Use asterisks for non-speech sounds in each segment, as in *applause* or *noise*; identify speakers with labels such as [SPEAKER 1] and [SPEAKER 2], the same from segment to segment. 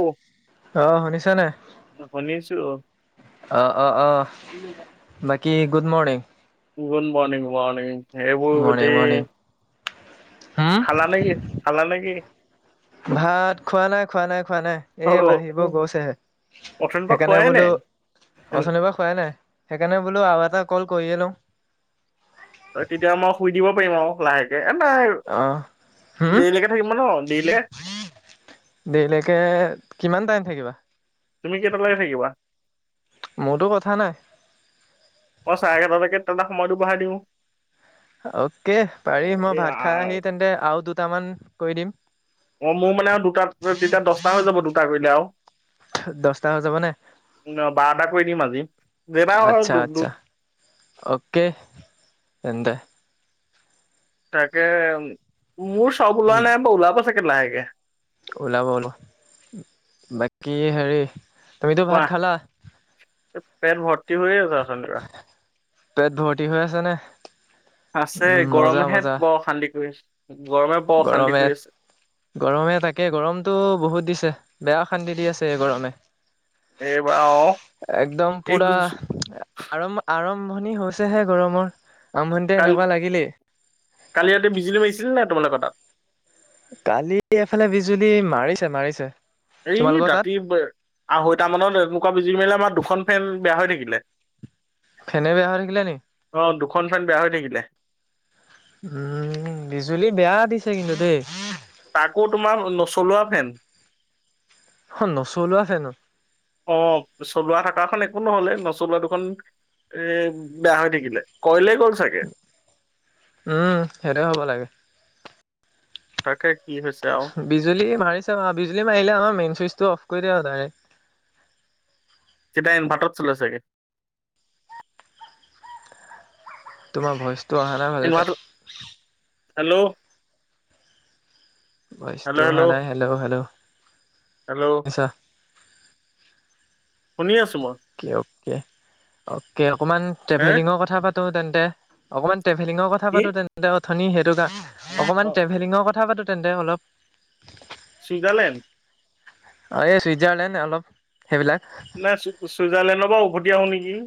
[SPEAKER 1] অ,
[SPEAKER 2] অহ শুনিছ নাই?
[SPEAKER 1] শুনিছো
[SPEAKER 2] অহ অ অহ বাকি গুড মৰ্ণিং।
[SPEAKER 1] গুডমৰ্ণিং মৰ্ণিং সেইবোৰ
[SPEAKER 2] মৰ্ণিং
[SPEAKER 1] যদি
[SPEAKER 2] মৰ্ণিং।
[SPEAKER 1] খালা নেকি? খালা নেকি?
[SPEAKER 2] ভাত খোৱা নাই খোৱা নাই খোৱা নাই এই বাঢ়িব গৈছেহে।
[SPEAKER 1] ফেনখন পোৱায় নাই?
[SPEAKER 2] অথুনিৰপৰা খোৱাই নাই। সেইকাৰণে বোলো আৰু এটা কল কৰিয়ে লও।
[SPEAKER 1] ত তেতিয়া মই শুই দিব পাৰিম আও লাহেকে। এ নাই
[SPEAKER 2] অঁ।
[SPEAKER 1] দেৰিলেকে থাকিম ন দেইলে
[SPEAKER 2] দেৰিলেকে কিমান টাইম থাকিবা?
[SPEAKER 1] তুমি কেইটালৈকে থাকিবা?
[SPEAKER 2] মোৰতো কথা নাই।
[SPEAKER 1] মই চাৰে এঘাৰটালৈকে তটা সময়তো বঢ়াই দিওঁ।
[SPEAKER 2] অকে
[SPEAKER 1] অ,
[SPEAKER 2] পাৰি মই
[SPEAKER 1] এই
[SPEAKER 2] ভাত খাই
[SPEAKER 1] আ-
[SPEAKER 2] আহি তেন্তে আৰু দুটামান কৰি দিম।
[SPEAKER 1] অ মোৰ মানে আৰু দুটাত তেতিয়া দহটা হৈ যাব দুটা কৰিলে আও।
[SPEAKER 2] দহটা হৈ যাবনে?
[SPEAKER 1] বাৰটা কৰি দিম আজি। যেটা হয়
[SPEAKER 2] আচ্ছা
[SPEAKER 1] দু দু
[SPEAKER 2] আচ্ছা অ'কে তেন্তে।
[SPEAKER 1] তাকে মোৰ চব ওলোৱা নাই বাও ওলাব চাগে লাহেকে।
[SPEAKER 2] ওলাবলো বাকী হেৰি তুমিতো ভাত
[SPEAKER 1] কোৱা
[SPEAKER 2] খালা?
[SPEAKER 1] পেট ভৰ্তি হৈয়ে আছে অঠনি পৰা
[SPEAKER 2] পেট ভৰ্তি হৈ আছে নে?
[SPEAKER 1] আছে
[SPEAKER 2] উম মজা
[SPEAKER 1] গৰমেহে
[SPEAKER 2] মজা
[SPEAKER 1] বৰ অশান্তি কৰি আছে। গৰমে বৰ অশান্তি
[SPEAKER 2] গৰমে
[SPEAKER 1] কৰি আছে।
[SPEAKER 2] গৰমে তাকে গৰমতটো বহুত দিছে বেয়া। অশান্তি দি আছে এই গৰমে।
[SPEAKER 1] এইবাৰ অ
[SPEAKER 2] একদম
[SPEAKER 1] এই
[SPEAKER 2] পুৰা
[SPEAKER 1] গুজ-
[SPEAKER 2] আৰম আৰম আৰম্ভণি হৈছেহে গৰমৰ। আৰম্ভণিতে
[SPEAKER 1] কালি
[SPEAKER 2] এনেকুৱা লাগিলেই
[SPEAKER 1] কালি ইয়াতে বিজুলী মাৰিছিল নাই তোমালোকৰ তাত?
[SPEAKER 2] কালি এফালে বিজুলী মাৰিছে মাৰিছে।
[SPEAKER 1] এই
[SPEAKER 2] তোমালোকৰ তাত
[SPEAKER 1] ৰাতি আঢ়ৈটা মানত এনেকোৱা বিজুলী মাৰিলে, আমাৰ দুখন ফেন বেয়া হৈ থাকি লে
[SPEAKER 2] ফেনে বেয়া হৈ থাকিলে নি?
[SPEAKER 1] অ দুখন ফেন বেয়া হৈ থাকিলে।
[SPEAKER 2] উম বিজুলী বেয়া দিছে কিন্তু দেই।
[SPEAKER 1] তাকো তোমাৰ নচলোৱা ফেন।
[SPEAKER 2] নচলোৱা ফেনো।
[SPEAKER 1] অ চলোৱা থকাখন এ নহলে নচলোৱা দুখন এ বেয়া হৈ থাকিলে। কইলে
[SPEAKER 2] উম সেইটোৱে হব লাগে।
[SPEAKER 1] তাকে। কি হৈছে আৰু
[SPEAKER 2] বিজুলী মাৰিছে বা বিজুলী মাৰিলে আমাৰ মেইন চুইচ টো অফ কৈ দিয়া আও ডাইৰেক্ট।
[SPEAKER 1] তেতিয়া ইনভাটত চলে চাগে
[SPEAKER 2] তোমাৰ ভইচটো অহা নাই ভালকে।
[SPEAKER 1] ইনভাৰ্টাৰ হেল্ল'
[SPEAKER 2] ভইচটো অহা নাই হেল্ল' হেল্ল'।
[SPEAKER 1] হেল্ল'
[SPEAKER 2] আচ্ছা
[SPEAKER 1] শুনি আছো। মই।
[SPEAKER 2] অকে অ'কে অ'কে অকণমান
[SPEAKER 1] হে
[SPEAKER 2] ট্ৰেভেলিঙৰ কথা পাতো তেন্তে অকণমান ট্ৰেভেলিঙৰ কথা
[SPEAKER 1] কি?
[SPEAKER 2] পাতো তেনে অথনি সেইটোকা
[SPEAKER 1] অ অ
[SPEAKER 2] অকনমান ট্ৰভেলিঙৰ কথা পাতো। তেন্তে অলপ।
[SPEAKER 1] চুইজাৰলেণ্ড।
[SPEAKER 2] অ এই চুইজাৰলেণ্ড অলপ সেইবিলাক।
[SPEAKER 1] নাই চুইজাৰলেণ্ডৰ পৰা উভতি আহো নেকি।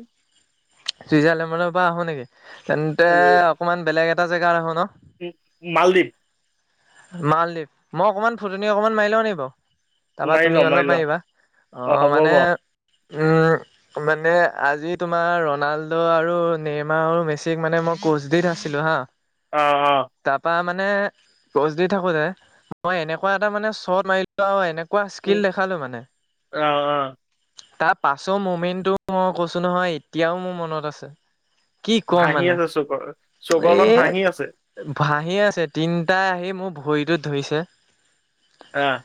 [SPEAKER 2] চুইজাৰলেণ্ডৰ পৰা আহো নেকি তেন্তে অকমান বেলেগ এটা জেগাৰ আহো ন।
[SPEAKER 1] উ মালদ্বীপ।
[SPEAKER 2] মালদ্বীপ মই অকণমান ফুটনি অকণমান মাৰি লওঁ নি
[SPEAKER 1] মাৰি লোৱা মাৰি লোৱা অ হ'ব হ'ব অ
[SPEAKER 2] বাৰু। *unintelligible* মানে আজি তোমাৰ ৰোনাল্ড
[SPEAKER 1] অ অ।
[SPEAKER 2] দি থাকো যে মই এনেকুৱা এটা মানে শট মাৰিলো। পোৱা
[SPEAKER 1] উম
[SPEAKER 2] স্কিল দেখালো মানে।
[SPEAKER 1] অ অ
[SPEAKER 2] পাছৰ মমেণ্টটো মই কৈছো নহয় এতিয়াও মোৰ মনত আছে। কি কম
[SPEAKER 1] ভাঁহি
[SPEAKER 2] মানে
[SPEAKER 1] আছে চৌকৰ চৌকৰ
[SPEAKER 2] এ
[SPEAKER 1] আগত ভাঁহি আছে
[SPEAKER 2] ভাহি আছে। যেতিন
[SPEAKER 1] আহ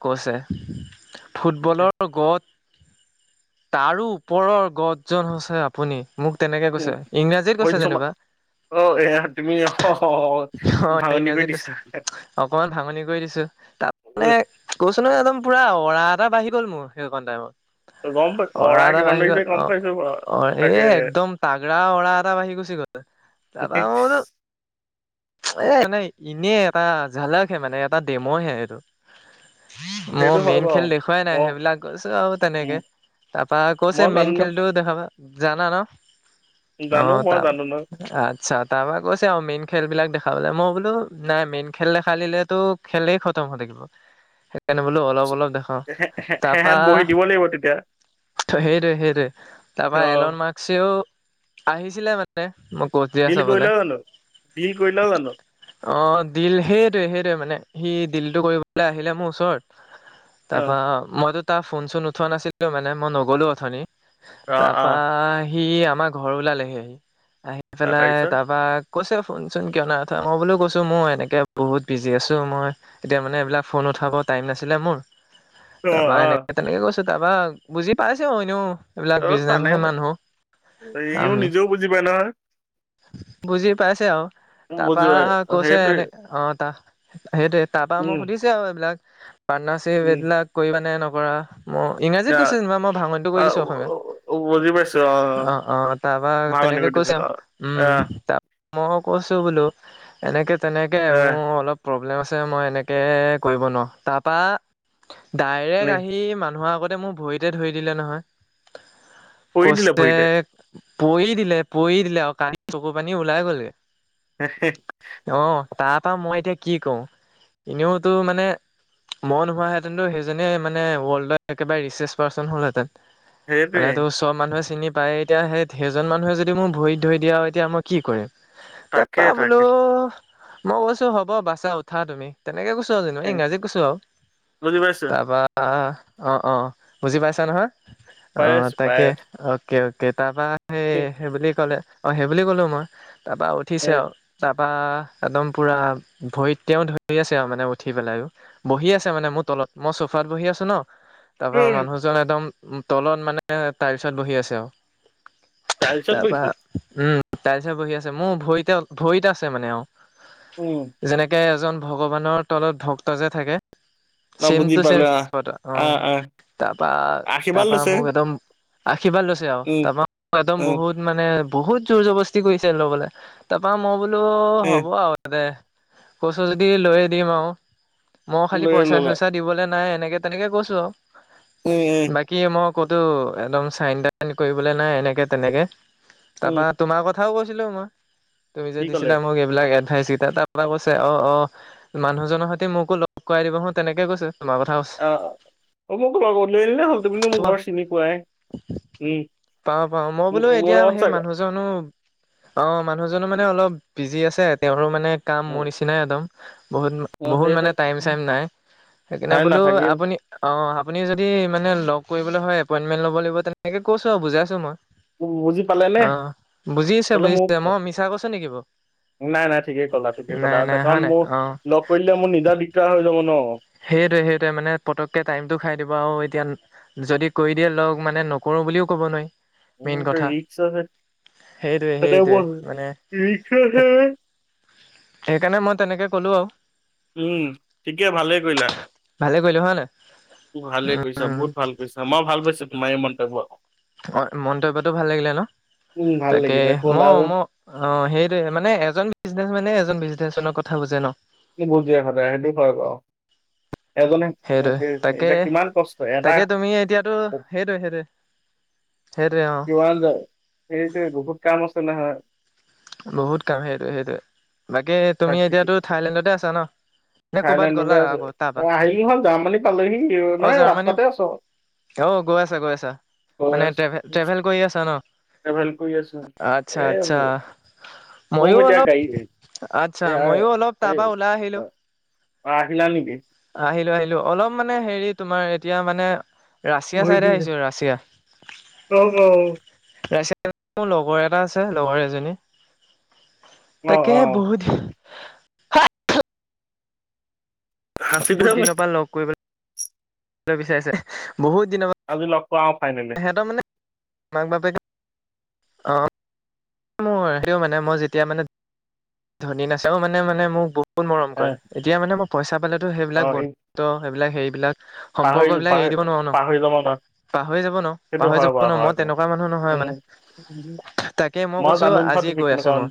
[SPEAKER 2] কৈছে ফুটবলৰ গত তাৰো ওপৰৰ গছ জন হৈছে আপুনি। মোক তেনেকে কৈছে ইংৰাজীত কৈছে যেনিবা
[SPEAKER 1] *unintelligible*
[SPEAKER 2] অ ইংৰাজীত কৈছে
[SPEAKER 1] *unintelligible*
[SPEAKER 2] অকমান ভাঙনি কৰি দিছো তাত মানে
[SPEAKER 1] উফ,
[SPEAKER 2] কৈছোন ন একদম পুৰা অৰা এটা বাঢ়িল মোৰ সেইক টাইমত।
[SPEAKER 1] গম পাই
[SPEAKER 2] অৰা এটা
[SPEAKER 1] কিমান
[SPEAKER 2] বাঢ়ি
[SPEAKER 1] লাগিছে
[SPEAKER 2] গল
[SPEAKER 1] গম
[SPEAKER 2] অ
[SPEAKER 1] পাইছো বাৰু
[SPEAKER 2] অ এ
[SPEAKER 1] তাকে
[SPEAKER 2] একদম তাগৰা অৰা এটা বাঢ়ি গ'ল। খুছি কলে তাপা মই বোলো এ এনে এনেই এটা জালকে মানে এটা ডেমৰহে এইটো। মই
[SPEAKER 1] সেইটো হয়
[SPEAKER 2] মেইন খেল
[SPEAKER 1] বাৰু
[SPEAKER 2] দেখুৱাই নাই
[SPEAKER 1] অ
[SPEAKER 2] সেইবিলাক গৈছো আৰু তেনেকে। তাৰপা কৈছে
[SPEAKER 1] মই
[SPEAKER 2] মেইন
[SPEAKER 1] জানো
[SPEAKER 2] খেলটো দেখাবা। জানা ন,
[SPEAKER 1] ন
[SPEAKER 2] অ
[SPEAKER 1] জানো মই
[SPEAKER 2] তাৰ
[SPEAKER 1] জানো ন
[SPEAKER 2] আচ্ছা তাৰপা কৈছে আৰু মেইন খেলবিলাক দেখা মই বোলো নাই মেইন খেল দেখাল দিলেতো খেলে খতম হ থাকিব। কেনে বোলো অলপ অলপ দেখাও তাপা।
[SPEAKER 1] সেহেত বহি দিব লাগিব তেতিয়া
[SPEAKER 2] সেইটোৱে সেইটোৱে তাৰ পৰাা
[SPEAKER 1] অ
[SPEAKER 2] এলন মাৰ্কসেও আহিছিলে মানে। মই কত দি
[SPEAKER 1] ডিল
[SPEAKER 2] আছ বলে।
[SPEAKER 1] কৰিলা জানো? ডিল কৰিলা জানো?
[SPEAKER 2] অ দিল সেইটোৱে সেইটোৱে মানে সি দিলটো কৰিবলৈ আহিলে মোৰ ওচৰত।
[SPEAKER 1] অ',
[SPEAKER 2] তাপা
[SPEAKER 1] অ',
[SPEAKER 2] তাপা
[SPEAKER 1] অ',
[SPEAKER 2] সি আমাৰ ঘৰ ওলালেহে আহি আহি
[SPEAKER 1] অ,
[SPEAKER 2] পেলাই
[SPEAKER 1] তাৰপিছত?
[SPEAKER 2] তাপা। কৈছে ফোনচোন কিয়ন। মই বুলিও কৈছো মই এনেকে বহুত বিজি আছো মই এতিয়া মানে এইবিলাক ফোন উঠাব টাইম নাছিলে মোৰ।
[SPEAKER 1] অ',
[SPEAKER 2] তাপা
[SPEAKER 1] অ',
[SPEAKER 2] এনেকে তেনেকে কৈছো তাপা বুজি পাইছে ইনো। এইবিলাক
[SPEAKER 1] অ',
[SPEAKER 2] বিজনেচ
[SPEAKER 1] জানে
[SPEAKER 2] মানুহ
[SPEAKER 1] সিও
[SPEAKER 2] আমি
[SPEAKER 1] নিজেও বুজি পায় নহয়।
[SPEAKER 2] বুজি পাইছে আৰু
[SPEAKER 1] বুজি
[SPEAKER 2] তাপা
[SPEAKER 1] পাই
[SPEAKER 2] কৈছে
[SPEAKER 1] সেইটোৱে
[SPEAKER 2] এনে অ তা সেইটোয়ে তাৰ পৰা মোক
[SPEAKER 1] উম,
[SPEAKER 2] সুধিছে আৰু এইবিলাক পাৰ্টনাৰশ্বিপ
[SPEAKER 1] উম,
[SPEAKER 2] এইবিলাক কৰিব নে নকৰা। ম ইংৰাজীত কৈছে
[SPEAKER 1] অ',
[SPEAKER 2] যেনিবা মই ভাঙনটো কৰি
[SPEAKER 1] অ',
[SPEAKER 2] দিছো অসমীয়াত অ অ তাপা
[SPEAKER 1] ভাগনি
[SPEAKER 2] তেনেকে কৈ
[SPEAKER 1] ঘটিছো
[SPEAKER 2] তেও
[SPEAKER 1] অ'।
[SPEAKER 2] উম
[SPEAKER 1] আহ,
[SPEAKER 2] তাৰ মই কৈছো বোলো এনেকে তেনেকে
[SPEAKER 1] আহ,
[SPEAKER 2] মোৰ অলপ প্ৰব্লেম আছে মই এনেকে কৰিব নোৱাৰোঁ তাপা ডাইৰেক্ট
[SPEAKER 1] উম,
[SPEAKER 2] আহি মানুহৰ আগতে মোক ভৰিতে ধৰি দিলে নহয়
[SPEAKER 1] পৰি দিলে
[SPEAKER 2] কছে
[SPEAKER 1] ভৰিতে।
[SPEAKER 2] পৰি দিলে পৰি দিলে আ কান, চকু, পানী ওলাই গলগে।
[SPEAKER 1] হে হে।
[SPEAKER 2] তাৰপৰা মই এতিয়া কি কওঁ, এনেওতো মানে মই নোহোৱাহেঁতেনতো সেইজনেই মানে ৱৰ্ল্ডৰ একেবাৰে ৰিচাৰ্চ পাৰ্চন হ'লহেঁতেন।
[SPEAKER 1] সেইটোৱে
[SPEAKER 2] মানে চব মানুহে চিনি পায় এতিয়া সেই সেইজন মানুহে যদি মোৰ ভৰি ধুই দিয়া এতিয়া মই কি কৰিম?
[SPEAKER 1] তাকে,
[SPEAKER 2] তাপা
[SPEAKER 1] তাকে
[SPEAKER 2] বোলো মই কৈছো হ'ব বাচা উঠা তুমি? এনেকে কৈছো আৰু যে
[SPEAKER 1] উম,
[SPEAKER 2] ইংৰাজীত কৈছো,
[SPEAKER 1] বুজি পাইছো,
[SPEAKER 2] তাপা অ অ বুজি পাইছা নহয়? অ
[SPEAKER 1] পাই আছো, পাই
[SPEAKER 2] তাকে
[SPEAKER 1] আছো।
[SPEAKER 2] অ'কে অ'কে তাৰপা সেই সেইবুলি কলে সেইবুলি কলো মই তাৰাপা উঠিছে আৰু তাত বা একদম পুৰা ভৰি তেও ধৰি আছে আৰু মানে উঠি পেলাই বহি আছে মানে মোৰ তল মই চোফাত বহি আছো ন। তাৰপা
[SPEAKER 1] উম,
[SPEAKER 2] মানুহজন একদম তলত মানে তাইলচত বহি আছে আৰু।
[SPEAKER 1] টাইলছত
[SPEAKER 2] তাৰপা
[SPEAKER 1] বহিছিলো।
[SPEAKER 2] উম তাৰপিছে বহি আছে মোৰ ভৰিতে ভৰিত আছে মানে আৰু
[SPEAKER 1] উম,
[SPEAKER 2] যেনেকে এজন ভগৱানৰ তলত ভক্ত যে থাকে,
[SPEAKER 1] অ',
[SPEAKER 2] ছেম
[SPEAKER 1] বুজি
[SPEAKER 2] টু ছেম
[SPEAKER 1] পালো
[SPEAKER 2] অ। তাৰপৰা-
[SPEAKER 1] আশীৰ্বাদ
[SPEAKER 2] তাৰপৰা
[SPEAKER 1] লৈছে
[SPEAKER 2] মোক একদম কিবা লৈছে আৰু
[SPEAKER 1] উম,
[SPEAKER 2] তাৰপৰা একদম
[SPEAKER 1] উম।
[SPEAKER 2] বহুত মানে বহুত জোৰ জবস্তি কৰিছে লবলে, তাৰপা মই বোলো হ'ব
[SPEAKER 1] উম
[SPEAKER 2] আৰু দে। কৈচ যদি লৈ দিম আৰু, মই খালি
[SPEAKER 1] লৈ
[SPEAKER 2] পইচা
[SPEAKER 1] ল'লা
[SPEAKER 2] -চইচা দিবলৈ নাই। তেনেকে তেনেকে কৈছো আৰু
[SPEAKER 1] উম উম
[SPEAKER 2] বাকী ম ক'তো একদম চাইন -তাইন কৰিবলৈ নাই এনেকে তেনেকে,
[SPEAKER 1] উম
[SPEAKER 2] তাৰপা তোমাৰক কথাও কৈছিলো মই তুমি যে
[SPEAKER 1] কি ক'লে
[SPEAKER 2] দিছিলা মোক এইবিলাক এড চিতৰপৰাই কৈছে অ অ মানুহজনৰ সৈতে মোকো লগ কৰাই দিব হ তেনেকে কৈছো। তোমাৰ কথা কৈছে?
[SPEAKER 1] অ অ মোক হল তুমিতো মোক ঘৰ চিনি পোৱাই উম।
[SPEAKER 2] পাও পাওঁ মই বোলো
[SPEAKER 1] মোৰ
[SPEAKER 2] এতিয়া
[SPEAKER 1] লগত
[SPEAKER 2] সেই
[SPEAKER 1] চাগে
[SPEAKER 2] মানুহজন অঁ মানুহ জোনো মানে অলপ বিজি আছে। তেওঁৰো মানে কাম মোৰ নিচিনাই একদম, বহুত
[SPEAKER 1] অ
[SPEAKER 2] বহুত মানে
[SPEAKER 1] সেইটোৱে
[SPEAKER 2] টাইম চাইম নাই সেইকাৰণে
[SPEAKER 1] তাই
[SPEAKER 2] বোলো
[SPEAKER 1] নাথাকিল
[SPEAKER 2] আপুনি অঁ আপুনি যদি মানে লগ কৰিবলৈ হয় এপইণ্টমেণ্ট ল'ব লাগিব তেনেকে কৈছো আৰু বুজাইছো মই
[SPEAKER 1] মজিক।
[SPEAKER 2] অ, বুজিছে বুজিছে মই মিছা কৈছো নেকি বৌ?
[SPEAKER 1] নাই নাই ঠিকেই কলা ঠিকেই কলা কাৰণ
[SPEAKER 2] নাই
[SPEAKER 1] মোক
[SPEAKER 2] অ
[SPEAKER 1] লগ কৰি দিলে মোৰ নিজৰ দিগদাৰ হৈ যাব ন?
[SPEAKER 2] সেইটোৱে- সেইটোৱে মানে পতককে টাইমটো খাই দিব আৰু এতিয়া যদি কৈ দিয়ে লগ মানে নকৰো। বুলিও ক'ব নোৱাৰি।
[SPEAKER 1] মোৰ
[SPEAKER 2] মেইন
[SPEAKER 1] মতে
[SPEAKER 2] কথা
[SPEAKER 1] ৰিক্স আছে।
[SPEAKER 2] সেইটোৱে
[SPEAKER 1] সটো
[SPEAKER 2] সেইটোৱে মানে
[SPEAKER 1] লখছে *unintelligible*
[SPEAKER 2] সেইকাৰণে মই তেনেকে কলো আৰু।
[SPEAKER 1] উম ঠিকে ভালে। কৰিলা,
[SPEAKER 2] ভালে কৰিলো হয় নাই
[SPEAKER 1] ভালে কৈছা
[SPEAKER 2] উম,
[SPEAKER 1] বহুত ভাল কৰিছা মই ভাল পাইছো। মাই মনটৱাক।
[SPEAKER 2] অ মন্তব্যটো ভাল লাগিলে ন?
[SPEAKER 1] উম ভাল
[SPEAKER 2] তাকে
[SPEAKER 1] লাগিলে ক'লা
[SPEAKER 2] মই ম
[SPEAKER 1] যে
[SPEAKER 2] অ, সেইটোৱে মানে এজন বিজনেচ মেনে এজন বিজনে টেনচনৰ কথা বুজে ন।
[SPEAKER 1] কি বোজে, সদায় সেইটো হয় ক।
[SPEAKER 2] সেইটোৱে,
[SPEAKER 1] কষ্ট এটা
[SPEAKER 2] তাকে-তাকে তুমি এতিয়াতো সেইটোৱে-সেইটোৱে। সেইটো
[SPEAKER 1] কিমান যাওঁ? এইটোৱে বহুত কাম আছে নহয়।
[SPEAKER 2] বহুত কাম সেইটোৱে-সেইটোৱে, বাকী তুমি এতিয়াতো থাইলেণ্ডতে আছা ন? নে ক'ৰবাত
[SPEAKER 1] থাইলেণ্ডতে
[SPEAKER 2] গ'লা
[SPEAKER 1] আছো।
[SPEAKER 2] আকৌ তাৰপা
[SPEAKER 1] আহি হ'ল জাৰ্মানী পালোহি, মানে ৰাস্তাতে আছ।
[SPEAKER 2] অহ, গৈ আছা গৈ আছা। মানে
[SPEAKER 1] আছো
[SPEAKER 2] ট্ৰেভেল-ট্ৰেভেল কৰি আছা ন,
[SPEAKER 1] ট্ৰেভেল কৰি আছো এ
[SPEAKER 2] আচ্ছা-আচ্ছা।
[SPEAKER 1] কম
[SPEAKER 2] মইয়ো
[SPEAKER 1] এতিয়া গাড়ী
[SPEAKER 2] অলপ, আচ্ছা মইয়ো অলপ তাৰ পৰা ওলাই আহিলো।
[SPEAKER 1] অ, আহিলা নেকি?
[SPEAKER 2] আহিলো-আহিলো, অলপ মানে, হেৰি তোমাৰ এতিয়া মানে ৰাছিয়া
[SPEAKER 1] ঘূৰি
[SPEAKER 2] চাইডে
[SPEAKER 1] ফুৰিছে
[SPEAKER 2] আহিছো ৰাছিয়া,
[SPEAKER 1] অ অ
[SPEAKER 2] ৰাছিয়া মোৰ লগৰ এটা আছে, লগৰ এজনী।
[SPEAKER 1] অ অ
[SPEAKER 2] তাকেহে বহুত হাথো
[SPEAKER 1] সাঁচি পিঠা
[SPEAKER 2] বহুত দিনৰ
[SPEAKER 1] পাইছে।
[SPEAKER 2] পৰা লগ কৰিবলৈ বিচাৰিছে, বহুত দিনৰ
[SPEAKER 1] কোৱা ফাইনেলি।
[SPEAKER 2] মাক-বাপেকে, অহ মোৰ সেইও মানে, মই যেতিয়া মানে ধনী নাচাওঁ, মানে-মানে মোক বহুত মৰম
[SPEAKER 1] অ
[SPEAKER 2] কৰে। এতিয়া মানে মই পইচা পালেতো সেইবিলাক
[SPEAKER 1] এই
[SPEAKER 2] বন্ধুত্ব, সেইবিলাক হেৰিবিলাক
[SPEAKER 1] পাহৰি
[SPEAKER 2] সম্পৰ্কবিলাক এৰি
[SPEAKER 1] পাহৰি
[SPEAKER 2] দিব নোৱাৰো ন?
[SPEAKER 1] পাহৰি যাব নোৱাৰো
[SPEAKER 2] পাহৰি যাব ন,
[SPEAKER 1] সেইটো
[SPEAKER 2] পাহৰি
[SPEAKER 1] হয়
[SPEAKER 2] যাব
[SPEAKER 1] বাৰু
[SPEAKER 2] ন,
[SPEAKER 1] হয়
[SPEAKER 2] মই
[SPEAKER 1] হয়
[SPEAKER 2] তেনেকুৱা মানুহ নহয় মানে।
[SPEAKER 1] উম
[SPEAKER 2] তাকে মই কৈছো,
[SPEAKER 1] জানো নহয়
[SPEAKER 2] আজি
[SPEAKER 1] তুমি
[SPEAKER 2] গৈ আছো
[SPEAKER 1] কেনেকুৱা
[SPEAKER 2] মই,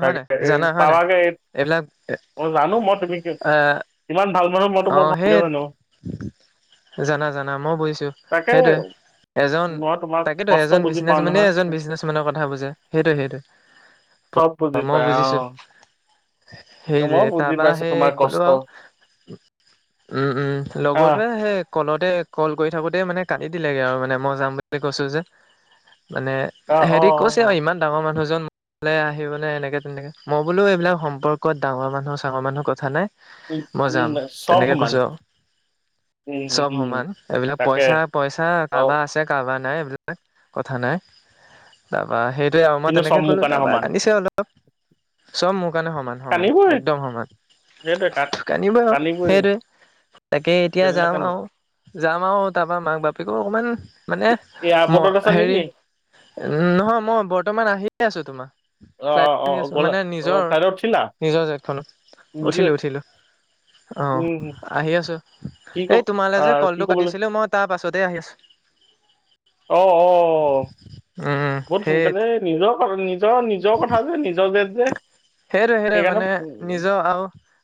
[SPEAKER 1] তাকে এই
[SPEAKER 2] জানা হয় নাই?
[SPEAKER 1] পাৱাগে এই-
[SPEAKER 2] এইবিলাক,
[SPEAKER 1] মই জানো মই তুমি কি-
[SPEAKER 2] আহ
[SPEAKER 1] ইমান ভাল মানুহ, মই তোক বৰ ভাল
[SPEAKER 2] বেত, জানা-জানা, মই বুজিছোঁ।
[SPEAKER 1] তাকে
[SPEAKER 2] এজন,
[SPEAKER 1] মই তোমাক
[SPEAKER 2] তাকেতো
[SPEAKER 1] কষ্ট
[SPEAKER 2] এজন
[SPEAKER 1] বুজি
[SPEAKER 2] বিজনেছ
[SPEAKER 1] পাও
[SPEAKER 2] মেনে
[SPEAKER 1] নহয়
[SPEAKER 2] এজন বিজনেছ মেনৰ কথা বুজে, সেইটোৱে-সেইটোৱে।
[SPEAKER 1] চব বুজি
[SPEAKER 2] প্ৰ
[SPEAKER 1] পাই
[SPEAKER 2] মই
[SPEAKER 1] অ
[SPEAKER 2] বুজিছো। সেই যে,
[SPEAKER 1] মই বুজি
[SPEAKER 2] তাৰপা
[SPEAKER 1] পাইছো তোমাৰ
[SPEAKER 2] সেই
[SPEAKER 1] কষ্ট
[SPEAKER 2] ক'লো আৰু। উম-উম,
[SPEAKER 1] আহ
[SPEAKER 2] লগৰটোৱে সেই কলতে, কল কৰি থাকোতে মানে কান্দি দিলেগে আও মানে মই যাম বুলি কৈছো যে। মানে
[SPEAKER 1] আহ অ
[SPEAKER 2] সেহেতি কৈছে
[SPEAKER 1] অ,
[SPEAKER 2] আৰু ইমান ডাঙৰ মানুহজন উ লে আহিব নে এনেকে-তেনেকে, মই বোলো এইবিলাক সম্পৰ্কত ডাঙৰ মানুহ চাঙৰ মানুহ কথা নাই। মই
[SPEAKER 1] উম-উম
[SPEAKER 2] যাম
[SPEAKER 1] বেছ
[SPEAKER 2] তেনেকে কৈছো আৰু, চব
[SPEAKER 1] উম
[SPEAKER 2] সমান এইবিলাক
[SPEAKER 1] তাকে
[SPEAKER 2] পইচা-পইচা
[SPEAKER 1] বাও
[SPEAKER 2] কাৰোবাৰ আছে, কাৰ কাৰোবাৰ নাই বুলি কথা নাই তাৰপা সেই ত আৰু মই
[SPEAKER 1] কিন্তু
[SPEAKER 2] তেনেকে
[SPEAKER 1] চব মোৰ
[SPEAKER 2] কলোঁ
[SPEAKER 1] কাৰণে
[SPEAKER 2] তাৰপা
[SPEAKER 1] সমান
[SPEAKER 2] কান্দিছে অলপ, চব মোক মোৰ কাৰণে সমান-সমান,
[SPEAKER 1] কান্দিবই
[SPEAKER 2] একদম সমান,
[SPEAKER 1] সেইটোৱে কান
[SPEAKER 2] কান্দিবয়ে আৰু।
[SPEAKER 1] কান্দিবই
[SPEAKER 2] সেইটোৱে, তাকে এতিয়া
[SPEAKER 1] কেলে
[SPEAKER 2] যাম
[SPEAKER 1] নাকান্দিম
[SPEAKER 2] আও, যাম আও তা পা মাক-বাপেকো অকণমান মানে,
[SPEAKER 1] কি-
[SPEAKER 2] মই
[SPEAKER 1] এয়াৰপৰ্টত আছা
[SPEAKER 2] হেৰি,
[SPEAKER 1] নেকি
[SPEAKER 2] উম' নহয় মই বৰ্তমান আহিয়ে আছো তোমাৰ।
[SPEAKER 1] অ
[SPEAKER 2] ফ্লাইটত
[SPEAKER 1] অ
[SPEAKER 2] আহি
[SPEAKER 1] অ
[SPEAKER 2] আছো,
[SPEAKER 1] গ'লা
[SPEAKER 2] মানে
[SPEAKER 1] অ ফ্লাইটত উঠিলা
[SPEAKER 2] নিজৰ-নিজৰ জেটখনত।
[SPEAKER 1] বুজি
[SPEAKER 2] উঠিলোঁ-উঠিলোঁ। অ,
[SPEAKER 1] উম
[SPEAKER 2] আহি আছো।
[SPEAKER 1] কি ক
[SPEAKER 2] এই তোমালৈ যে
[SPEAKER 1] আহ কি
[SPEAKER 2] কলটো
[SPEAKER 1] ক'বলৈ
[SPEAKER 2] কাটিছিলো, মই তা তাৰ পাছতে আহি আছোঁ।
[SPEAKER 1] অ-অ,
[SPEAKER 2] উম
[SPEAKER 1] বহুত
[SPEAKER 2] সেই
[SPEAKER 1] সোনকালে নিজৰ কাৰ নি ত নিজৰ কথা যে, নিজৰ জেট যে।
[SPEAKER 2] সেইটোৱে সেইটোৱে,
[SPEAKER 1] সেইকাৰণে
[SPEAKER 2] মানে
[SPEAKER 1] উম
[SPEAKER 2] নিজৰ আও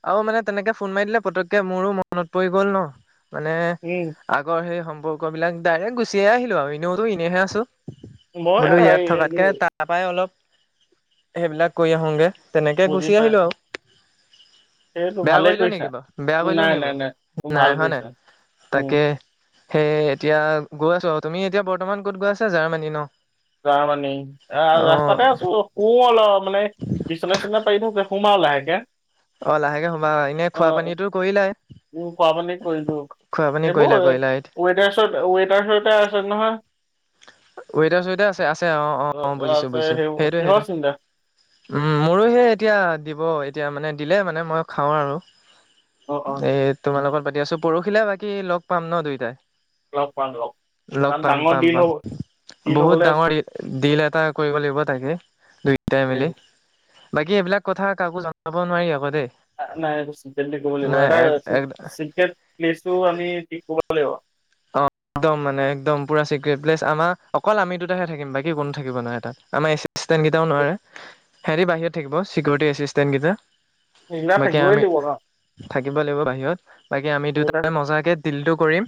[SPEAKER 2] আও মানে তেনেকে ফোন মাৰি দিলে, পতকে মোৰো মনত পৰি গ'ল ন। মানে
[SPEAKER 1] উম,
[SPEAKER 2] আগৰ সেই সম্পৰ্ক বিলাক, ডাইৰেক্ট গুচিয়ে আহিলো আৰু ইনটো এনেহে আছো।
[SPEAKER 1] মই
[SPEAKER 2] বোলে ইয়াত থকাতকে
[SPEAKER 1] এই-
[SPEAKER 2] তাৰপাই অলপ, সেইবিলাক কৰি আহোগে। তেনেকৈ
[SPEAKER 1] বুজি
[SPEAKER 2] গুচি আহিলোঁ
[SPEAKER 1] পাইছো
[SPEAKER 2] আৰু।
[SPEAKER 1] সেইটো
[SPEAKER 2] বেয়া
[SPEAKER 1] ভালে
[SPEAKER 2] কৰিলো
[SPEAKER 1] কৰিছা
[SPEAKER 2] নেকি বাৰু বেয়া কৰিলো
[SPEAKER 1] নাই নাই নাই ভাল
[SPEAKER 2] নাই হয় নাই?
[SPEAKER 1] কৰিছা উম
[SPEAKER 2] তাকে, সেই এতিয়া গৈ আছো আৰু তুমি এতিয়া বৰ্তমান ক'ত গৈ আছা জাৰ্মানী ন?
[SPEAKER 1] জাৰ্মানি, এ
[SPEAKER 2] অ
[SPEAKER 1] ৰাস্তাতে আছো কু অলপ মানে বিচনা -চিচনা পাৰি থাকে। শুম আৰু লাহেকে।
[SPEAKER 2] অঁ লাহেকে সোমাম এনে খোৱা পানী টো কৰিলাই।
[SPEAKER 1] উম খোৱা পানী কৰিলো
[SPEAKER 2] খোৱা পানী কৰিলা
[SPEAKER 1] এইবোৰ
[SPEAKER 2] কৰিলা
[SPEAKER 1] ৱেটাৰছত ৱেটাৰ চোৱেটাৰ আছে নহয়।
[SPEAKER 2] ৱেটাৰ চোৱেটাৰ আছে আছে অঁ অঁ
[SPEAKER 1] অ
[SPEAKER 2] অঁ
[SPEAKER 1] অ
[SPEAKER 2] বুজিছো
[SPEAKER 1] আছে
[SPEAKER 2] বুজিছো
[SPEAKER 1] সেই
[SPEAKER 2] সেইটোৱে
[SPEAKER 1] কিহৰ চিন্তা
[SPEAKER 2] সেইটোৱে। উম মোৰো সে এতিয়া দিব। এতিয়া মানে দিলে মানে মই খাওঁ আৰু
[SPEAKER 1] অ অ
[SPEAKER 2] এই তোমাৰ লগত পাতি আছোঁ। পৰহিলে বাকী লগ পাম ন দুয়োটাই।
[SPEAKER 1] লগ পাম লগ কাৰণ ডাঙৰ
[SPEAKER 2] পাম
[SPEAKER 1] দিন
[SPEAKER 2] পাম
[SPEAKER 1] হ'
[SPEAKER 2] বহুত ডাঙৰ দিল এটা কৰিব লাগিব তাকে দুয়োটাই মিলি। বাকী এইবিলাক কথা কাকো জনাব নোৱাৰি আকৌ দেই।
[SPEAKER 1] নাই এইটো চিকৰেটলি কব লাগিব
[SPEAKER 2] নাই
[SPEAKER 1] আৰু আমি চিকৰেট লিচটো আমি ক'ব লাগিব।
[SPEAKER 2] অঁ। একদম মানে একদম পুৰা চিকৰিট প্লেচ আমাৰ অকল আমি দুটাহে থাকিম বাকী কোনো থাকিব নোৱাযৰে তাত আমাৰ ষ্টেট কেইটাও নোৱাৰে হেৰি বাহিৰত থাকিব চিকৰটি এচিষ্টেণ্টকেইটা।
[SPEAKER 1] সেইগিলা
[SPEAKER 2] বাকী
[SPEAKER 1] থাকিবই
[SPEAKER 2] আমি
[SPEAKER 1] লাগিব ন
[SPEAKER 2] থাক। থাকিব লাগিব বাহিৰত বাকী আমি
[SPEAKER 1] সেইবিলাক
[SPEAKER 2] দুটাই মজাকে দিলটো কৰিম।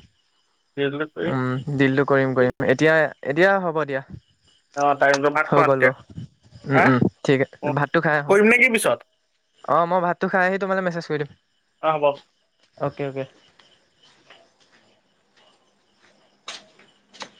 [SPEAKER 1] সেইবিলাক
[SPEAKER 2] উম দিলটো কৰিম
[SPEAKER 1] কৰি-
[SPEAKER 2] কৰিম এতিয়া এতিয়া হ'ব দিয়া।
[SPEAKER 1] অ টাইমটো ভাত
[SPEAKER 2] হৈ
[SPEAKER 1] খোৱা
[SPEAKER 2] গ'ল
[SPEAKER 1] তেতিয়া
[SPEAKER 2] বাৰু
[SPEAKER 1] হা
[SPEAKER 2] উম উম ঠিক
[SPEAKER 1] অ,
[SPEAKER 2] আ ভাতটো খাই আহোঁ।
[SPEAKER 1] কৰিম নেকি পিছত
[SPEAKER 2] অঁ মই ভাতটো খাই আহি তোমালে মেছেজ কৰি
[SPEAKER 1] অ হ'ব।
[SPEAKER 2] দিম। Okay okay.